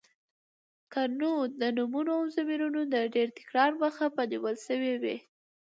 که نو د نومونو او ضميرونو د ډېر تکرار مخه به نيول شوې وې.